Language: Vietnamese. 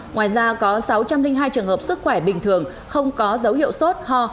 ngoài ra có sáu trăm linh hai trường hợp sức khỏe bình thường không có dấu hiệu sốt ho